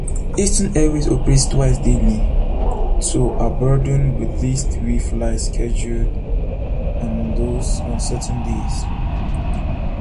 Eastern Airways operates twice daily to Aberdeen with three flights scheduled on certain days.